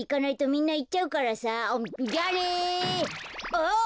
あっ！